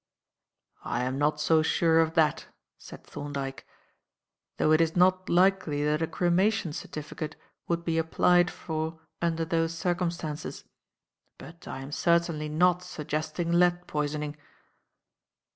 "I am not so sure of that," said Thorndyke; "though it is not likely that a cremation certificate would be applied for under those circumstances. But I am certainly not suggesting lead poisoning."